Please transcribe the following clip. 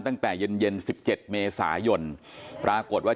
ตั้งแต่เย็นเย็นสิบเก็บเมศหย่วลปรากดว่า